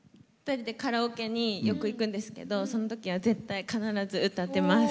カラオケによく行くんですけどそのとき絶対必ず歌ってます。